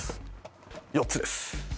４つです